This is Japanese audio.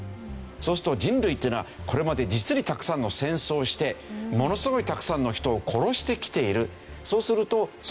そうすると人類っていうのはこれまで実にたくさんの戦争をしてものすごいたくさんの人を殺してきている。